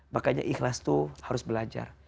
makanya ikhlas itu harus belajar